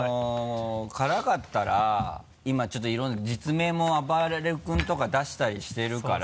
辛かったら今ちょっといろんな実名もあばれる君とか出したりしてるから。